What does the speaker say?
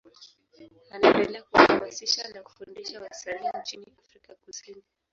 Anaendelea kuhamasisha na kufundisha wasanii nchini Afrika Kusini.